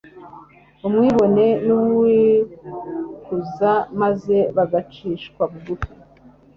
umwibone n'uwikuza maze bagacishwa bugufi